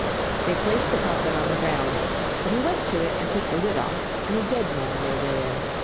They placed the coffin on the ground, but he went to it and took the lid off, and a dead man lay therein.